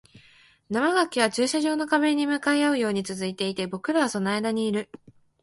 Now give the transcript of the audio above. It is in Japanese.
生垣は駐車場の壁に向かい合うように続いていて、僕らはその間にいる